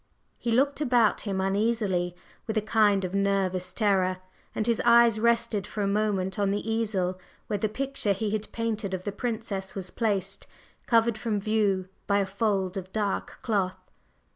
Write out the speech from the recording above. He looked about him uneasily, with a kind of nervous terror, and his eyes rested for a moment on the easel where the picture he had painted of the Princess was placed, covered from view by a fold of dark cloth.